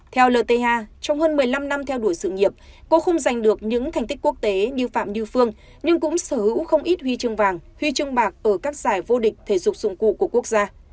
theo lth trong hơn một mươi năm năm theo đuổi sự nghiệp cô không giành được những thành tích quốc tế như phạm như phương nhưng cũng sở hữu không ít huy chương vàng huy chương bạc ở các giải vô địch thể dục dụng cụ của quốc gia